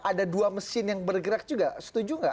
ada dua mesin yang bergerak juga setuju nggak